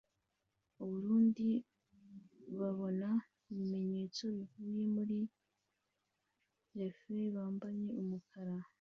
ubururu babona ibimenyetso bivuye muri ref bambaye umukara